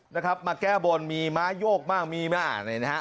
นะครับมาแก้บนมีม้าโยกบ้างมีบ้างอะไรนะฮะ